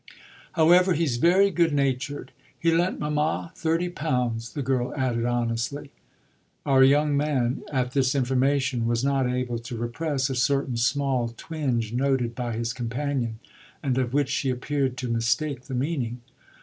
"However, he's very good natured; he lent mamma thirty pounds," the girl added honestly. Our young man, at this information, was not able to repress a certain small twinge noted by his companion and of which she appeared to mistake the meaning.